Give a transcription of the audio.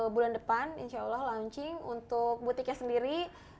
bulan depan insya allah launching untuk butiknya sendiri